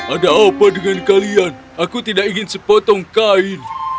ada apa dengan kalian aku tidak ingin sepotong kain